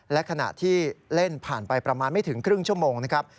และขณะที่เล่นผ่านไปประมาณไม่ถึงครึ่งชั่วโมงนะครับ